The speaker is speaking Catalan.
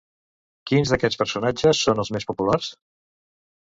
Quins d'aquests personatges són els més populars?